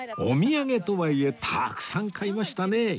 お土産とはいえたくさん買いましたね